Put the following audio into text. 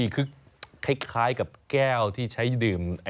คล้ายกร้ายกับแก้วที่ใช้ดื่ม